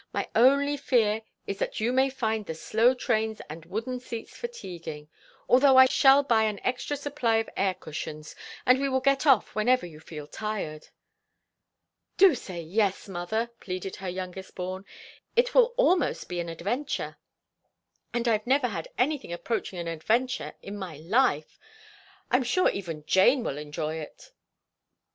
My only fear is that you may find the slow trains and wooden seats fatiguing—although I shall buy an extra supply of air cushions, and we will get off whenever you feel tired." "Do say yes, mother," pleaded her youngest born. "It will almost be an adventure, and I've never had anything approaching an adventure in my life. I'm sure even Jane will enjoy it."